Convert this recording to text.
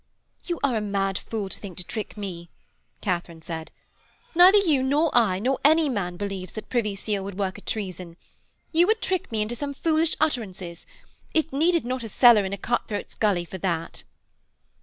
'You are a mad fool to think to trick me,' Katharine said. 'Neither you nor I, nor any man, believes that Privy Seal would work a treason. You would trick me into some foolish utterances. It needed not a cellar in a cut throat's gully for that.'